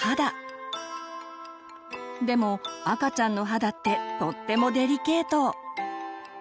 でも赤ちゃんの肌ってとってもデリケート。